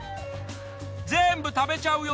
全部食べちゃうよ